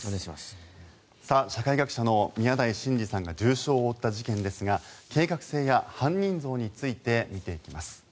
社会学者の宮台真司さんが重傷を負った事件ですが計画性や犯人像について見ていきます。